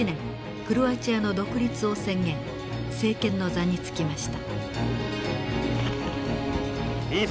政権の座に就きました。